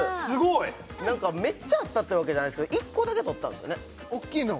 めっちゃあったってわけじゃないすけど１個だけ取ったんですよね大きいのを？